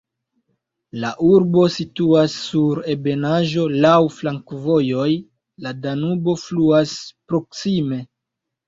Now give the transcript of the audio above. La urbo situas sur ebenaĵo, laŭ flankovojoj, la Danubo fluas proksime.